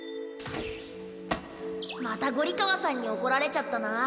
またゴリかわさんにおこられちゃったな。